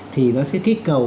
thì nó sẽ kích cầu